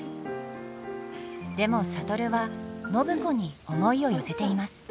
でも智は暢子に思いを寄せています。